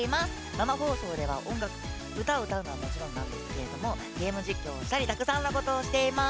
生放送では歌を歌うのはもちろんなんですけどもゲーム実況をしたりたくさんのことをしています。